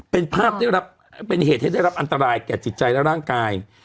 เป็นภาพได้รับเป็นเหตุให้ได้รับอันตรายแก่จิตใจและร่างกาย